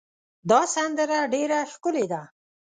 دا سندره ډېره ښکلې ده.